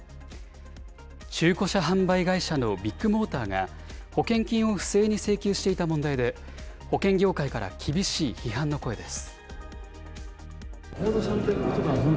中古車販売会社のビッグモーターが、保険金を不正に請求していた問題で、保険業界から厳しい批判の声です。